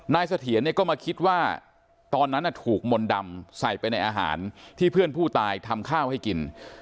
เสถียรเนี่ยก็มาคิดว่าตอนนั้นถูกมนต์ดำใส่ไปในอาหารที่เพื่อนผู้ตายทำข้าวให้กิน